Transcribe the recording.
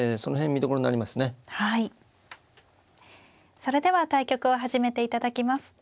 それでは対局を始めて頂きます。